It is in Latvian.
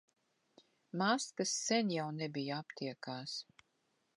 Maskas sen jau nebija aptiekās.